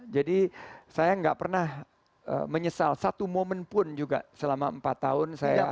jadi saya gak pernah menyesal satu momen pun juga selama empat tahun saya ada